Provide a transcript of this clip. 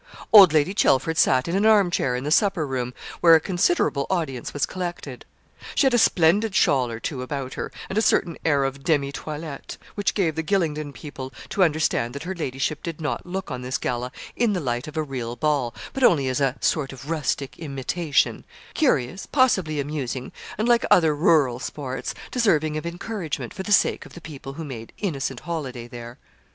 Old Lady Chelford sat in an arm chair in the supper room, where a considerable audience was collected. She had a splendid shawl or two about her, and a certain air of demi toilette, which gave the Gylingden people to understand that her ladyship did not look on this gala in the light of a real ball, but only as a sort of rustic imitation curious, possibly amusing, and, like other rural sports, deserving of encouragement, for the sake of the people who made innocent holiday there.